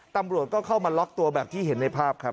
ตำรวจก็เข้ามาล็อกตัวแบบที่เห็นในภาพครับ